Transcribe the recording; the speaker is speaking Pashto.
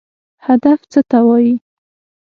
هدف څه ته وایي؟